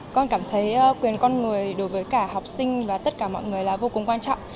con cảm thấy quyền con người đối với cả học sinh và tất cả mọi người là vô cùng quan trọng